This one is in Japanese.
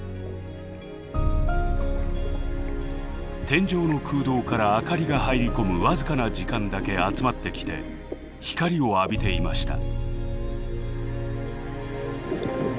天井の空洞から明かりが入り込む僅かな時間だけ集まってきて光を浴びていました。